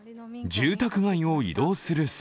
住宅街を移動する猿。